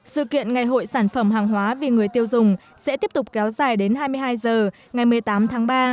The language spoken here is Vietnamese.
sự kiện ngày hội sản phẩm hàng hóa vì người tiêu dùng sẽ tiếp tục kéo dài đến hai mươi hai h ngày một mươi tám tháng ba